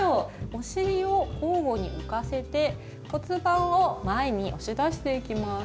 おしりを交互に浮かせて骨盤を前に押し出していきます。